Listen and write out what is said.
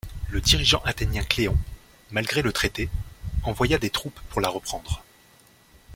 Le dirigeant athénien Cléon, malgré le traité, envoya des troupes pour la reprendre.